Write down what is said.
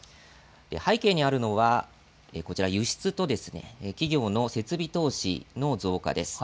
背景にあるのは、こちら、輸出と企業の設備投資の増加です。